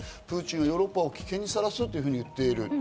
プーチンはヨーロッパを危険にさらすと言っている。